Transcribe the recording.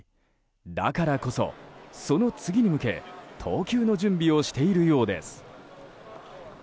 だからこそ、その次に向け投球の準備をしているようです。